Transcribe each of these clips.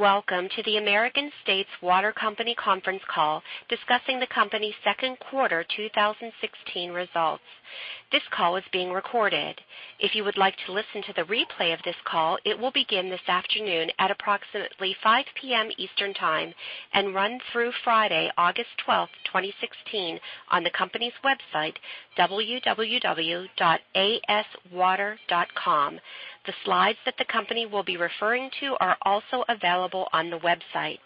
Welcome to the American States Water Company conference call discussing the company's second quarter 2016 results. This call is being recorded. If you would like to listen to the replay of this call, it will begin this afternoon at approximately 5:00 P.M. Eastern Time and run through Friday, August 12, 2016, on the company's website, www.aswater.com. The slides that the company will be referring to are also available on the website.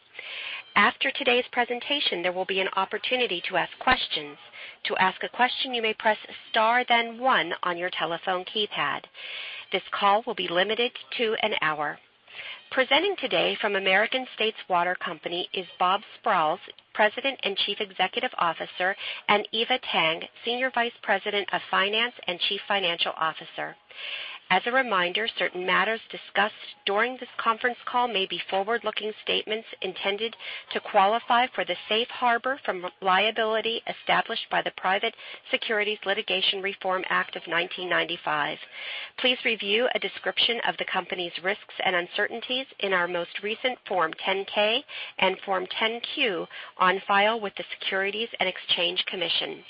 After today's presentation, there will be an opportunity to ask questions. To ask a question, you may press star then one on your telephone keypad. This call will be limited to an hour. Presenting today from American States Water Company is Bob Sprowls, President and Chief Executive Officer, and Eva Tang, Senior Vice President of Finance and Chief Financial Officer. As a reminder, certain matters discussed during this conference call may be forward-looking statements intended to qualify for the safe harbor from liability established by the Private Securities Litigation Reform Act of 1995. Please review a description of the company's risks and uncertainties in our most recent Form 10-K and Form 10-Q on file with the Securities and Exchange Commission.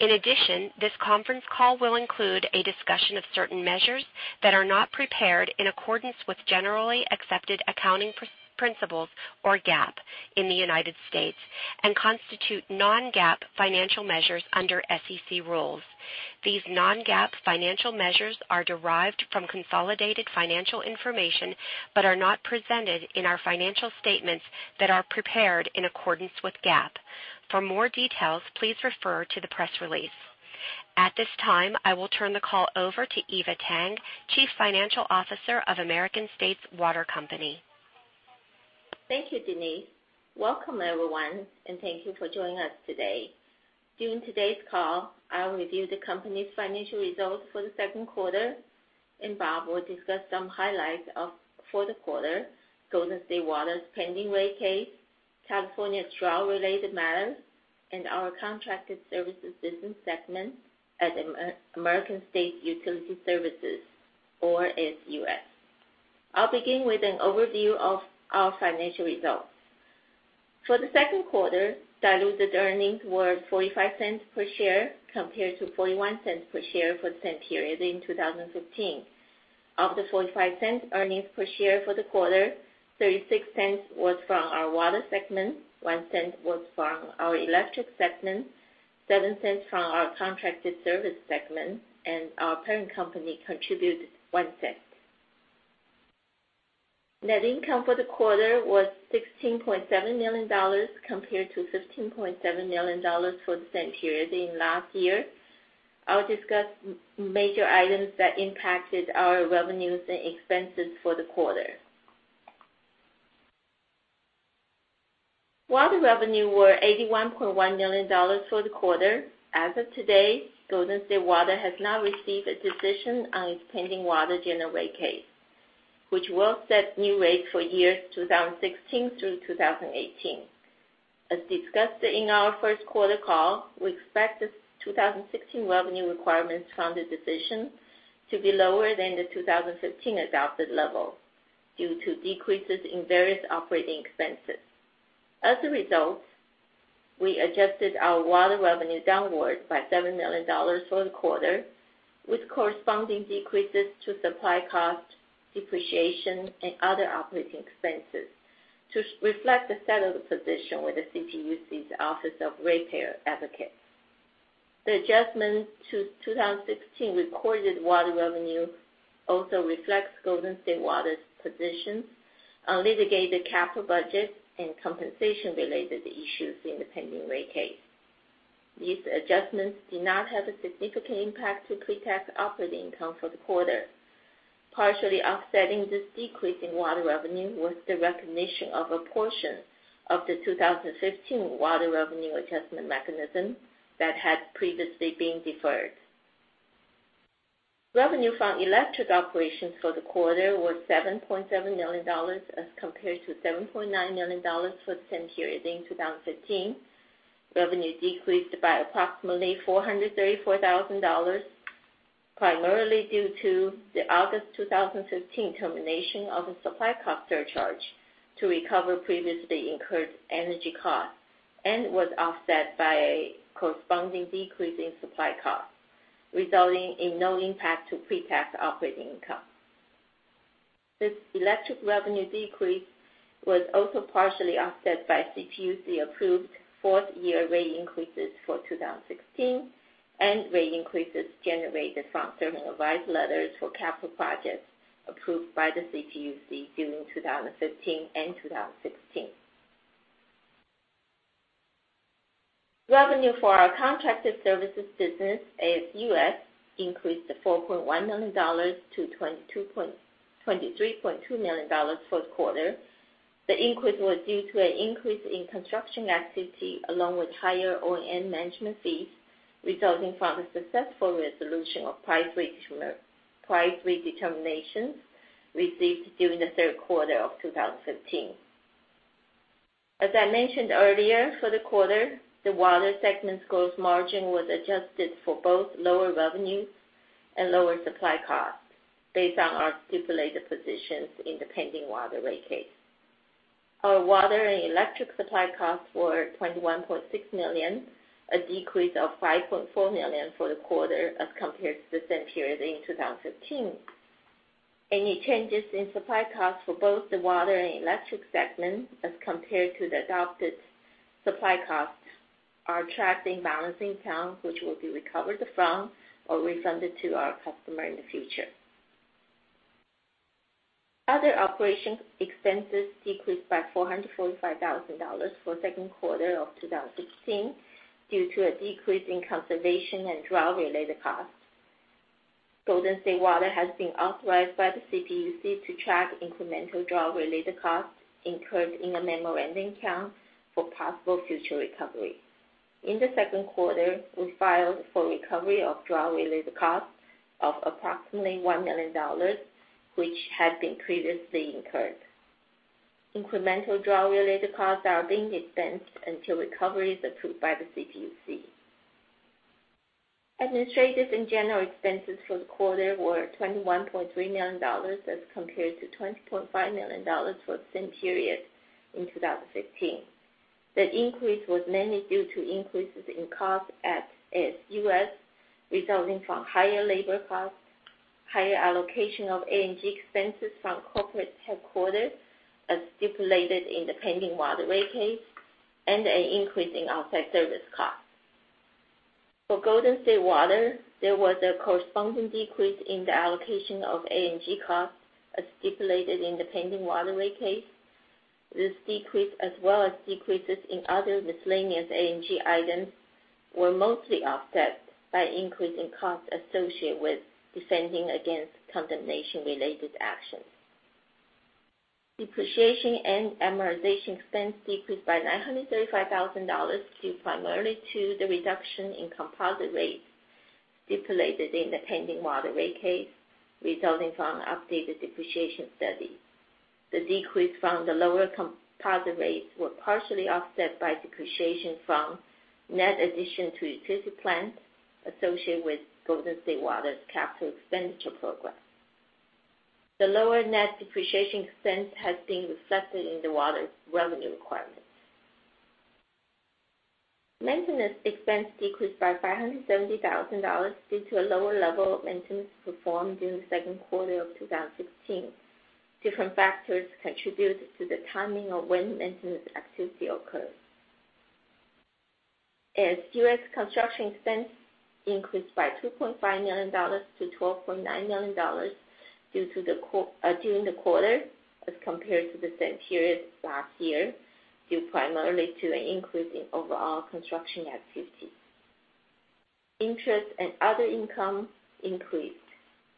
In addition, this conference call will include a discussion of certain measures that are not prepared in accordance with generally accepted accounting principles, or GAAP, in the U.S. and constitute non-GAAP financial measures under SEC rules. These non-GAAP financial measures are derived from consolidated financial information but are not presented in our financial statements that are prepared in accordance with GAAP. For more details, please refer to the press release. At this time, I will turn the call over to Eva Tang, Chief Financial Officer of American States Water Company. Thank you, Denise. Welcome, everyone, and thank you for joining us today. During today's call, I'll review the company's financial results for the second quarter, and Bob will discuss some highlights for the quarter, Golden State Water's pending rate case, California drought-related matters, and our contracted services business segment at American States Utility Services, or ASUS. I'll begin with an overview of our financial results. For the second quarter, diluted earnings were $0.45 per share compared to $0.41 per share for the same period in 2015. Of the $0.45 earnings per share for the quarter, $0.36 was from our water segment, $0.01 was from our electric segment, $0.07 from our contracted service segment, and our parent company contributed $0.01. Net income for the quarter was $16.7 million compared to $15.7 million for the same period in last year. I'll discuss major items that impacted our revenues and expenses for the quarter. Water revenue was $81.1 million for the quarter. As of today, Golden State Water has not received a decision on its pending water general rate case, which will set new rates for years 2016 through 2018. As discussed in our first quarter call, we expect the 2016 revenue requirements from the decision to be lower than the 2015 adopted level due to decreases in various operating expenses. As a result, we adjusted our water revenue downward by $7 million for the quarter, with corresponding decreases to supply costs, depreciation, and other operating expenses to reflect the settled position with the CPUC's Office of Ratepayer Advocates. The adjustment to 2016 recorded water revenue also reflects Golden State Water's position on litigated capital budgets and compensation-related issues in the pending rate case. These adjustments did not have a significant impact to pre-tax operating income for the quarter. Partially offsetting this decrease in water revenue was the recognition of a portion of the 2015 water revenue adjustment mechanism that had previously been deferred. Revenue from electric operations for the quarter was $7.7 million as compared to $7.9 million for the same period in 2015. Revenue decreased by approximately $434,000, primarily due to the August 2015 termination of a supply cost surcharge to recover previously incurred energy costs and was offset by a corresponding decrease in supply costs, resulting in no impact to pre-tax operating income. This electric revenue decrease was also partially offset by CPUC-approved fourth-year rate increases for 2016 and rate increases generated from terminal advice letters for capital projects approved by the CPUC during 2015 and 2016. Revenue for our contracted services business, ASUS, increased to $4.1 million to $23.2 million for the quarter. The increase was due to an increase in construction activity along with higher O&M management fees resulting from the successful resolution of price redeterminations received during the third quarter of 2015. As I mentioned earlier, for the quarter, the water segment's gross margin was adjusted for both lower revenues and lower supply costs based on our stipulated positions in the pending water rate case. Our water and electric supply costs were $21.6 million, a decrease of $5.4 million for the quarter as compared to the same period in 2015. Any changes in supply costs for both the water and electric segments as compared to the adopted supply costs are tracked in balancing accounts, which will be recovered from or refunded to our customer in the future. Other operation expenses decreased by $445,000 for second quarter of 2016 due to a decrease in conservation and drought-related costs. Golden State Water has been authorized by the CPUC to track incremental drought-related costs incurred in a memorandum account for possible future recovery. In the second quarter, we filed for recovery of drought-related costs of approximately $1.3 million, which had been previously incurred. Incremental drought-related costs are being expensed until recovery is approved by the CPUC. Administrative and general expenses for the quarter were $21.3 million as compared to $20.5 million for the same period in 2015. The increase was mainly due to increases in costs at ASUS, resulting from higher labor costs, higher allocation of A&G expenses from corporate headquarters as stipulated in the pending water rate case, and an increase in outside service costs. For Golden State Water, there was a corresponding decrease in the allocation of A&G costs as stipulated in the pending water rate case. This decrease, as well as decreases in other miscellaneous A&G items, were mostly offset by increasing costs associated with defending against condemnation-related actions. Depreciation and amortization expense decreased by $935,000 due primarily to the reduction in composite rates stipulated in the pending water rate case, resulting from an updated depreciation study. The decrease from the lower composite rates were partially offset by depreciation from net addition to utility plants associated with Golden State Water's capital expenditure program. The lower net depreciation expense has been reflected in the water's revenue requirements. Maintenance expense decreased by $570,000 due to a lower level of maintenance performed during the second quarter of 2016. Different factors contributed to the timing of when maintenance activity occurred. ASUS construction expense increased by $2.5 million to $12.9 million during the quarter as compared to the same period last year, due primarily to an increase in overall construction activity. Interest and other income increased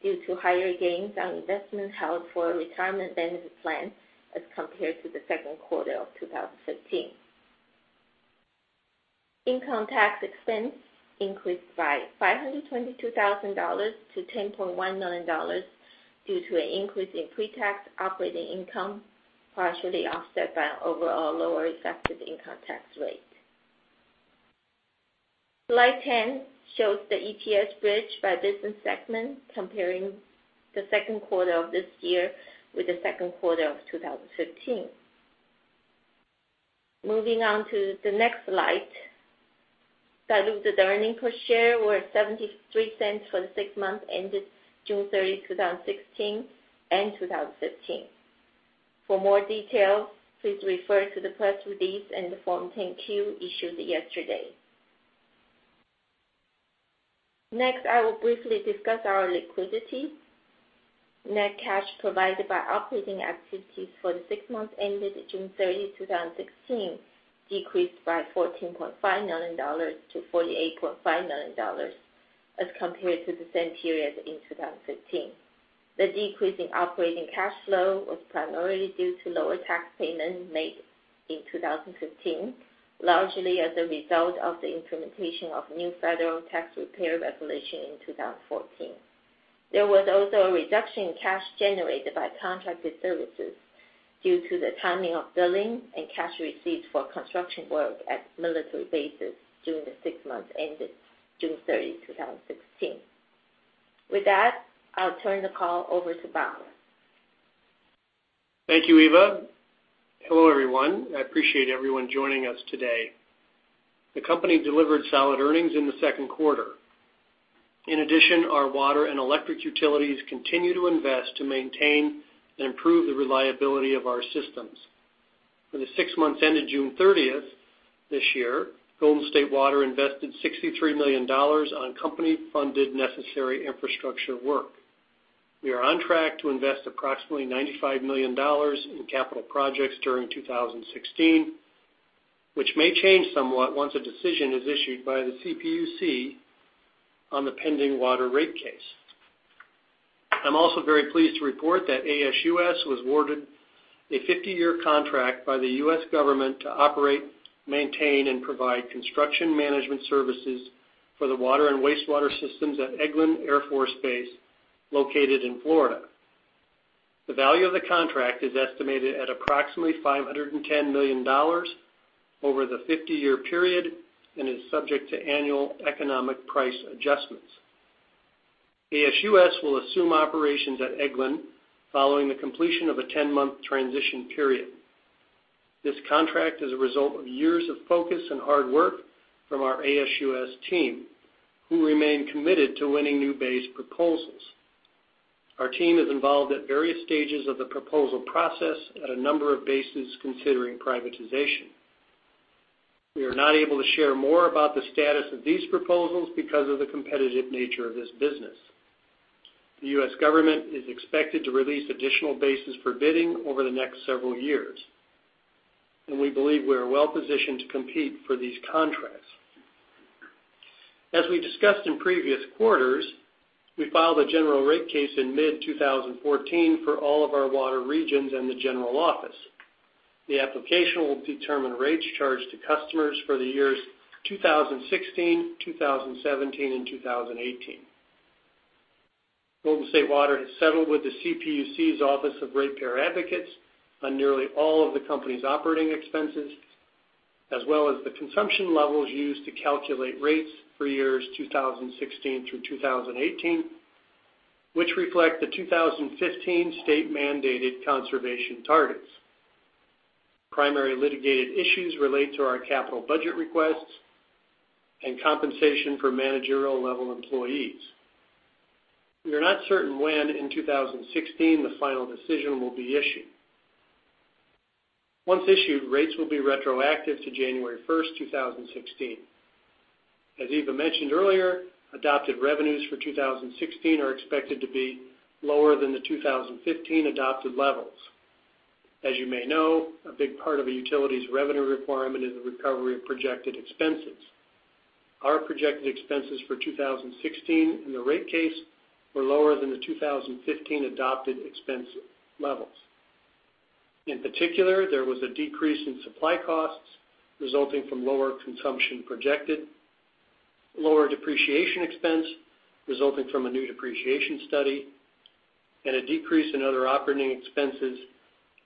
due to higher gains on investments held for retirement benefit plans as compared to the second quarter of 2015. Income tax expense increased by $522,000 to $10.1 million due to an increase in pre-tax operating income, partially offset by an overall lower effective income tax rate. Slide 10 shows the EPS bridge by business segment, comparing the second quarter of this year with the second quarter of 2015. Moving on to the next slide. Diluted earning per share were $0.73 for the six months ended June 30, 2016, and 2015. For more details, please refer to the press release and the Form 10-Q issued yesterday. Next, I will briefly discuss our liquidity. Net cash provided by operating activities for the six months ended June 30, 2016, decreased by $14.5 million to $48.5 million as compared to the same period in 2015. The decrease in operating cash flow was primarily due to lower tax payments made in 2015, largely as a result of the implementation of new federal tax repair regulation in 2014. There was also a reduction in cash generated by contracted services due to the timing of billing and cash receipts for construction work at military bases during the six months ended June 30, 2016. With that, I'll turn the call over to Bob. Thank you, Eva. Hello, everyone. I appreciate everyone joining us today. The company delivered solid earnings in the second quarter. In addition, our water and electric utilities continue to invest to maintain and improve the reliability of our systems. For the six months ended June 30th this year, Golden State Water invested $63 million on company-funded necessary infrastructure work. We are on track to invest approximately $95 million in capital projects during 2016, which may change somewhat once a decision is issued by the CPUC on the pending water rate case. I'm also very pleased to report that ASUS was awarded a 50-year contract by the U.S. government to operate, maintain, and provide construction management services for the water and wastewater systems at Eglin Air Force Base, located in Florida. The value of the contract is estimated at approximately $510 million over the 50-year period and is subject to annual economic price adjustments. ASUS will assume operations at Eglin following the completion of a 10-month transition period. This contract is a result of years of focus and hard work from our ASUS team, who remain committed to winning new base proposals. Our team is involved at various stages of the proposal process at a number of bases considering privatization. We are not able to share more about the status of these proposals because of the competitive nature of this business. The U.S. government is expected to release additional bases for bidding over the next several years. We believe we are well-positioned to compete for these contracts. As we discussed in previous quarters, we filed a general rate case in mid-2014 for all of our water regions and the general office. The application will determine rates charged to customers for the years 2016, 2017, and 2018. Golden State Water has settled with the CPUC's Office of Ratepayer Advocates on nearly all of the company's operating expenses, as well as the consumption levels used to calculate rates for years 2016 through 2018, which reflect the 2015 state-mandated conservation targets. Primary litigated issues relate to our capital budget requests and compensation for managerial-level employees. We are not certain when in 2016 the final decision will be issued. Once issued, rates will be retroactive to January 1st, 2016. As Eva mentioned earlier, adopted revenues for 2016 are expected to be lower than the 2015 adopted levels. As you may know, a big part of a utility's revenue requirement is the recovery of projected expenses. Our projected expenses for 2016 in the rate case were lower than the 2015 adopted expense levels. In particular, there was a decrease in supply costs resulting from lower consumption projected, lower depreciation expense resulting from a new depreciation study, and a decrease in other operating expenses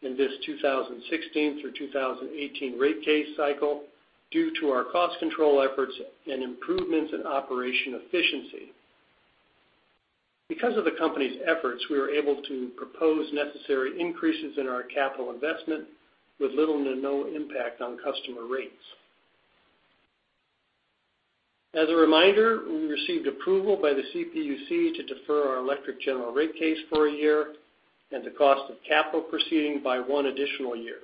in this 2016 through 2018 rate case cycle due to our cost control efforts and improvements in operation efficiency. Because of the company's efforts, we were able to propose necessary increases in our capital investment with little to no impact on customer rates. As a reminder, we received approval by the CPUC to defer our electric general rate case for a year and the cost of capital proceeding by one additional year.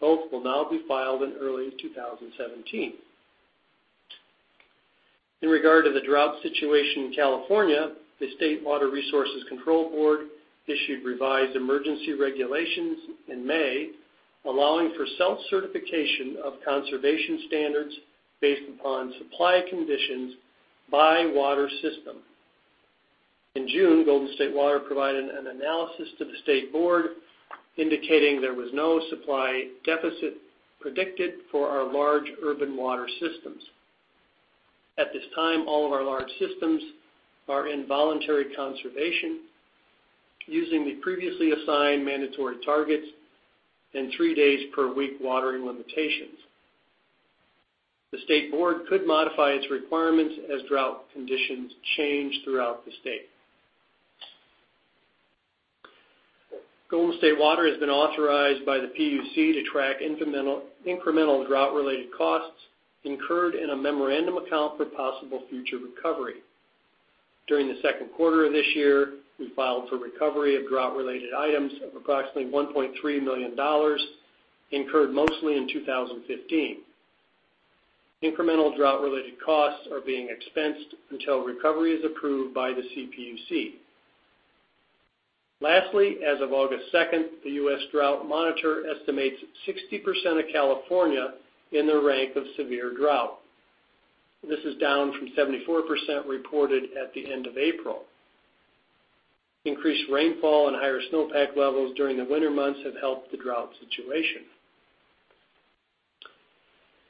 Both will now be filed in early 2017. In regard to the drought situation in California, the State Water Resources Control Board issued revised emergency regulations in May, allowing for self-certification of conservation standards based upon supply conditions by water system. In June, Golden State Water provided an analysis to the state board indicating there was no supply deficit predicted for our large urban water systems. At this time, all of our large systems are in voluntary conservation using the previously assigned mandatory targets and three-days-per-week watering limitations. The state board could modify its requirements as drought conditions change throughout the state. Golden State Water has been authorized by the PUC to track incremental drought-related costs incurred in a memorandum account for possible future recovery. During the second quarter of this year, we filed for recovery of drought-related items of approximately $1.3 million, incurred mostly in 2015. Incremental drought-related costs are being expensed until recovery is approved by the CPUC. Lastly, as of August 2nd, the US Drought Monitor estimates 60% of California in the rank of severe drought. This is down from 74% reported at the end of April. Increased rainfall and higher snowpack levels during the winter months have helped the drought situation.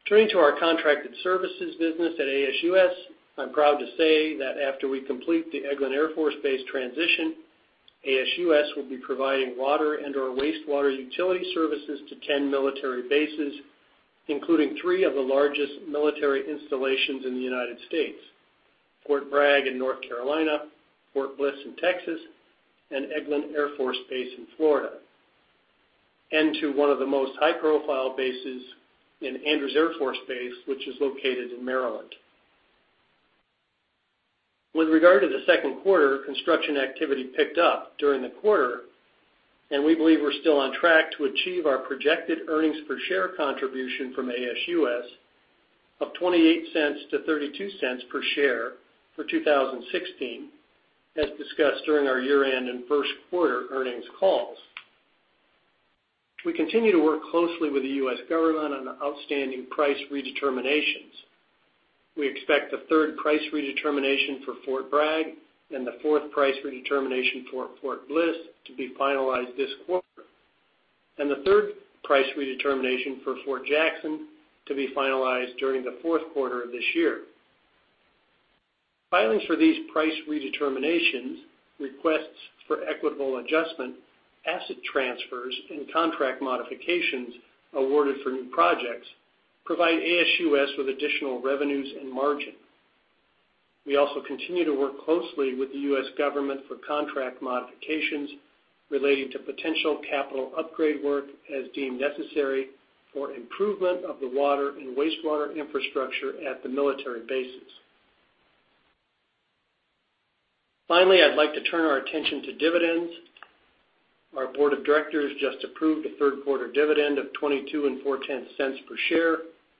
Turning to our contracted services business at ASUS, I'm proud to say that after we complete the Eglin Air Force Base transition, ASUS will be providing water and/or wastewater utility services to 10 military bases, including three of the largest military installations in the U.S., Fort Bragg in North Carolina, Fort Bliss in Texas, and Eglin Air Force Base in Florida. To one of the most high-profile bases in Andrews Air Force Base, which is located in Maryland. With regard to the second quarter, construction activity picked up during the quarter, we believe we're still on track to achieve our projected earnings per share contribution from ASUS of $0.28-$0.32 per share for 2016, as discussed during our year-end and first quarter earnings calls. We continue to work closely with the U.S. government on outstanding price redeterminations. We expect the third price redetermination for Fort Bragg and the fourth price redetermination for Fort Bliss to be finalized this quarter, and the third price redetermination for Fort Jackson to be finalized during the fourth quarter of this year. Filings for these price redeterminations, requests for equitable adjustment, asset transfers, and contract modifications awarded for new projects provide ASUS with additional revenues and margin. We also continue to work closely with the U.S. government for contract modifications relating to potential capital upgrade work as deemed necessary for improvement of the water and wastewater infrastructure at the military bases. Finally, I'd like to turn our attention to dividends. Our board of directors just approved a third quarter dividend of $0.224 per share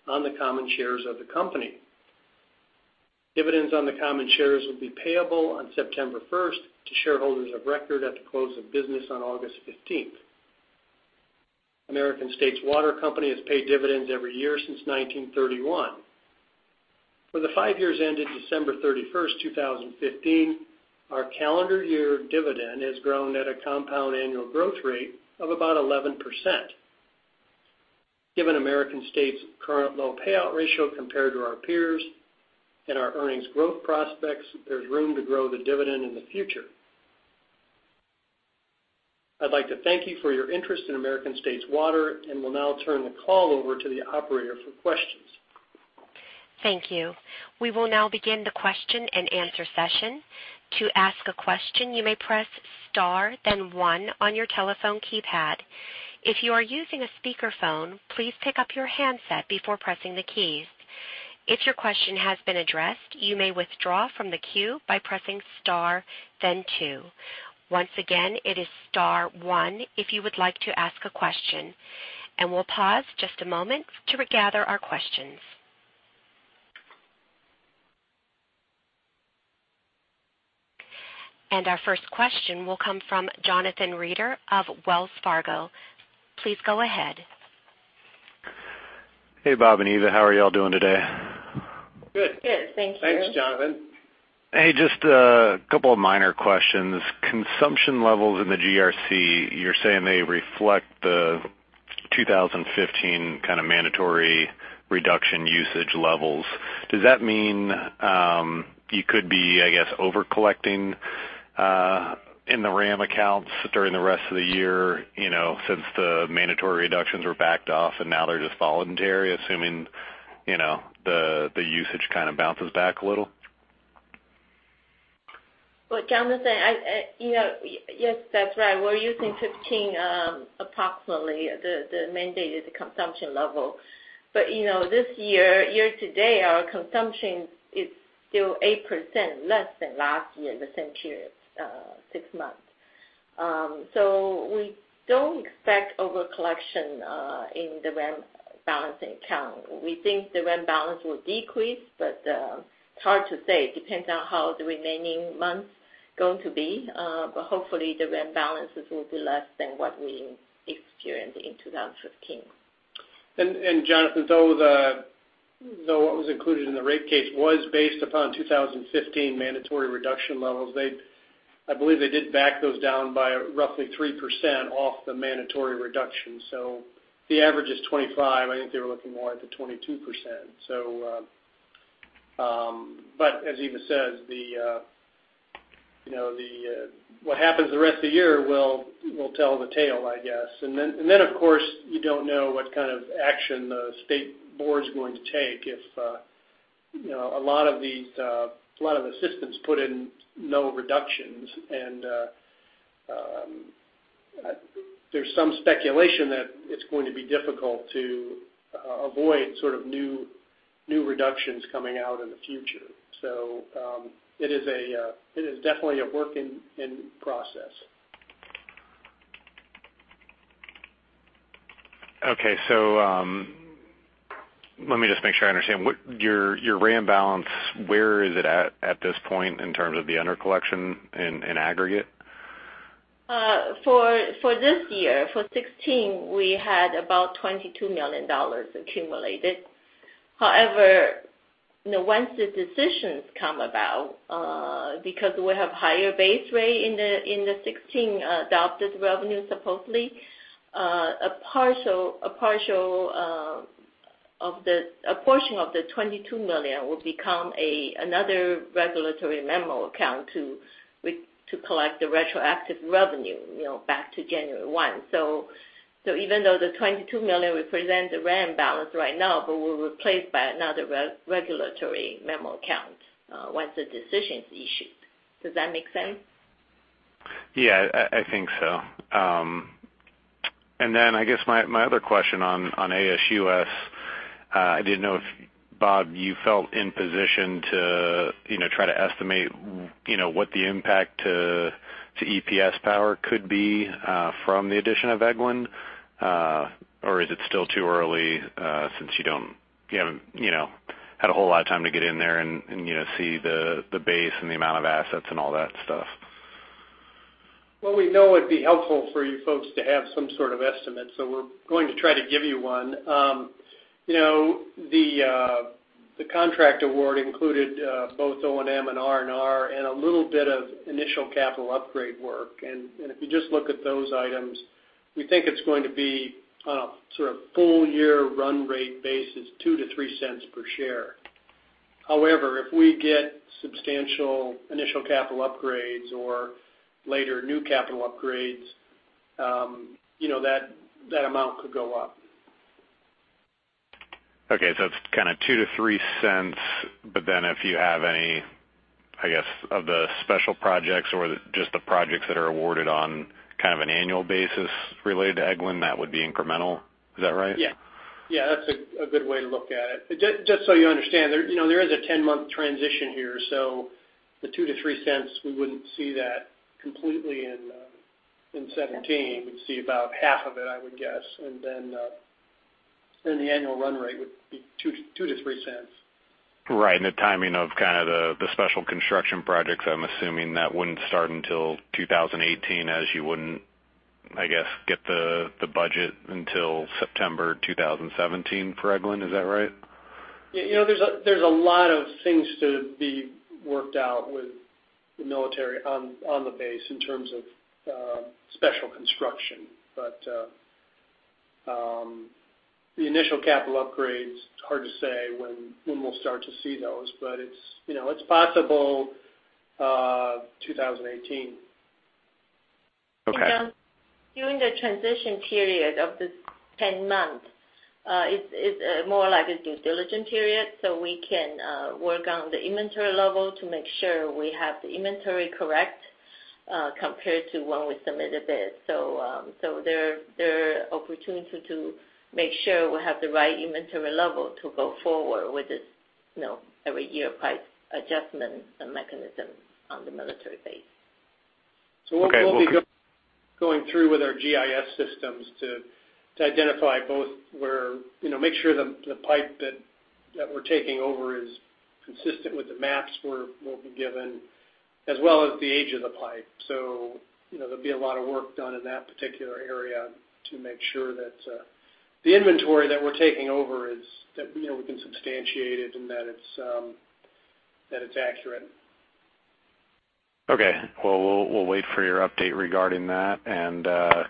on the common shares of the company. Dividends on the common shares will be payable on September 1st to shareholders of record at the close of business on August 15th. American States Water Company has paid dividends every year since 1931. For the five years ending December 31st, 2015, our calendar year dividend has grown at a compound annual growth rate of about 11%. Given American States' current low payout ratio compared to our peers and our earnings growth prospects, there's room to grow the dividend in the future. I'd like to thank you for your interest in American States Water and will now turn the call over to the operator for questions. Thank you. We will now begin the question and answer session. To ask a question, you may press star then one on your telephone keypad. If you are using a speakerphone, please pick up your handset before pressing the keys. If your question has been addressed, you may withdraw from the queue by pressing star then two. Once again, it is star one if you would like to ask a question. We'll pause just a moment to gather our questions. Our first question will come from Jonathan Reeder of Wells Fargo. Please go ahead. Hey, Bob and Eva. How are you all doing today? Good. Good, thank you. Thanks, Jonathan. Hey, just a couple of minor questions. Consumption levels in the GRC, you're saying they reflect the 2015 kind of mandatory reduction usage levels. Does that mean, you could be, I guess, over-collecting in the RAM accounts during the rest of the year since the mandatory reductions were backed off and now they're just voluntary, assuming the usage kind of bounces back a little? Well, Jonathan, yes, that's right. We're using 2015, approximately the mandated consumption level. This year-to-date, our consumption is still 8% less than last year at the same period, six months. We don't expect over-collection in the RAM balancing account. We think the RAM balance will decrease, but hard to say. It depends on how the remaining months going to be. Hopefully, the RAM balances will be less than what we experienced in 2015. Jonathan, though what was included in the rate case was based upon 2015 mandatory reduction levels, I believe they did back those down by roughly 3% off the mandatory reduction. The average is 25. I think they were looking more at the 22%. As Eva says, what happens the rest of the year will tell the tale, I guess. Then, of course, you don't know what kind of action the State Board's going to take if a lot of the systems put in no reductions and there's some speculation that it's going to be difficult to avoid sort of new reductions coming out in the future. It is definitely a work in process. Okay. Let me just make sure I understand. Your RAM balance, where is it at this point in terms of the under collection in aggregate? For this year, for 2016, we had about $22 million accumulated. However, once the decisions come about, because we have higher base rate in the 2016 adopted revenue, supposedly, a portion of the $22 million will become another regulatory memo account to collect the retroactive revenue back to January 1. Even though the $22 million represents the RAM balance right now, but will be replaced by another regulatory memo account, once the decision's issued. Does that make sense? Yeah, I think so. Then I guess my other question on ASUS, I didn't know if, Bob, you felt in position to try to estimate what the impact to EPS power could be, from the addition of Eglin? Is it still too early, since you haven't had a whole lot of time to get in there and see the base and the amount of assets and all that stuff? Well, we know it'd be helpful for you folks to have some sort of estimate, we're going to try to give you one. The contract award included both O&M and a little bit of initial capital upgrade work. If you just look at those items, we think it's going to be sort of full-year run rate basis, $0.02-$0.03 per share. However, if we get substantial initial capital upgrades or later new capital upgrades, that amount could go up. Okay, it's $0.02-$0.03, if you have any, I guess, of the special projects or just the projects that are awarded on kind of an annual basis related to Eglin, that would be incremental. Is that right? Yeah. That's a good way to look at it. Just so you understand, there is a 10-month transition here. The $0.02-$0.03, we wouldn't see that completely in 2017. We'd see about half of it, I would guess. The annual run rate would be $0.02-$0.03. Right. The timing of kind of the special construction projects, I'm assuming that wouldn't start until 2018, as you wouldn't, I guess, get the budget until September 2017 for Eglin. Is that right? There's a lot of things to be worked out with the military on the base in terms of special construction. The initial capital upgrades, it's hard to say when we'll start to see those, but it's possible 2018. Okay. During the transition period of this 10 months, it's more like a due diligence period, we can work on the inventory level to make sure we have the inventory correct compared to when we submitted bids. There are opportunities to make sure we have the right inventory level to go forward with this every year price adjustment mechanism on the military base. Okay. We'll be going through with our GIS systems to identify both were, make sure the pipe that we're taking over is consistent with the maps we'll be given, as well as the age of the pipe. There'll be a lot of work done in that particular area to make sure that the inventory that we're taking over is, we can substantiate it and that it's accurate. Okay. Well, we'll wait for your update regarding that.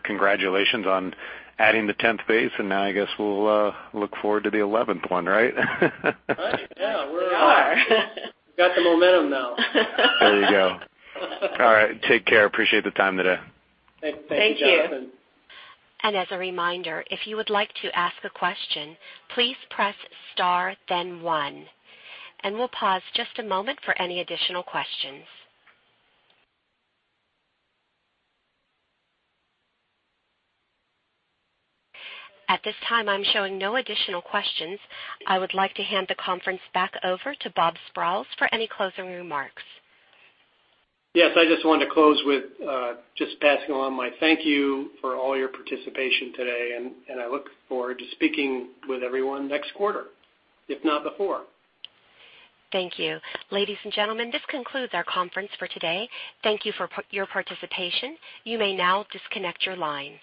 Congratulations on adding the 10th base, and now I guess we'll look forward to the 11th one, right? Right. Yeah. We are. We've got the momentum now. There you go. All right, take care. Appreciate the time today. Thank you. Thank you. As a reminder, if you would like to ask a question, please press star then one. We'll pause just a moment for any additional questions. At this time, I'm showing no additional questions. I would like to hand the conference back over to Bob Sprowls for any closing remarks. Yes, I just wanted to close with just passing along my thank you for all your participation today, and I look forward to speaking with everyone next quarter, if not before. Thank you. Ladies and gentlemen, this concludes our conference for today. Thank you for your participation. You may now disconnect your lines.